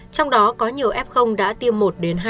trong đó có nhiều f đã tiêm một hai